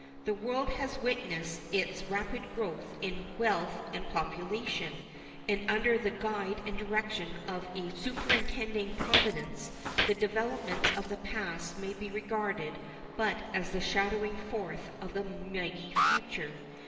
The world has witnessed its rapid growth in wealth and population, and under the guide and direction of a superintending Providence the developments of the past may be regarded but as the shadowing forth of the mighty future.